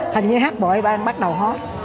hình như hát bội bắt đầu hot